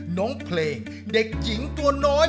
น้องเพลงเด็กหญิงตัวน้อย